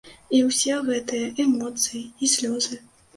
І ўсе гэтыя эмоцыі і слёзы.